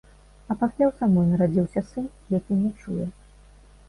А пасля ў самой нарадзіўся сын, які не чуе.